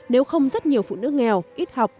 nếu không rất nhiều phụ nữ nghèo ít học